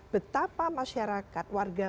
betapa masyarakat warga